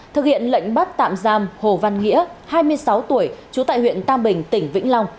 thực hiện lệnh bắt tạm giam hồ văn nghĩa hai mươi sáu tuổi trú tại huyện tam bình tỉnh vĩnh long